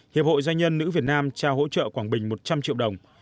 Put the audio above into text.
hiệp hội doanh nhân nữ việt nam trao hỗ trợ quảng bình một trăm linh triệu đồng